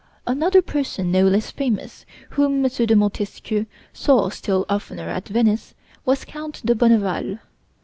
Another person, no less famous, whom M. de Montesquieu saw still oftener at Venice, was Count de Bonneval.